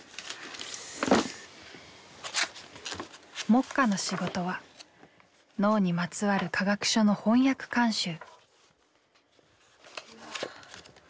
目下の仕事は脳にまつわる科学書の翻訳監修。